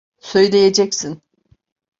Söyleyeceksin.